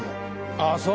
ああそう？